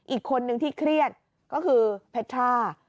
อีกคนนึงที่เครียดก็คือเพทรา